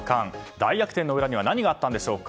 大逆転の裏には何があったんでしょうか。